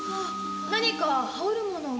何か羽織る物を。